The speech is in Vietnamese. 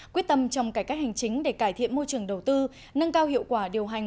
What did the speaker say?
quyết tâm trong cải cách hành chính để cải thiện môi trường đầu tư nâng cao hiệu quả điều hành